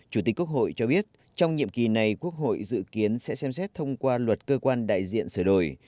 chủ tịch quốc hội cho biết trong nhiệm kỳ này quốc hội dự kiến sẽ xem xét thông qua luật cơ quan đại diện sửa đổi